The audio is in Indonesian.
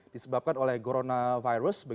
disebabkan oleh coronavirus